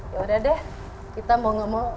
ya udah deh kita mau gak mau